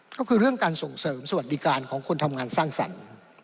ก็คือเรื่องการส่งเสริมสวัสดิการของคนทำงานสร้างสรรค์